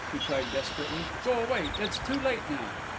he cried desperately; "go away it's too late now!"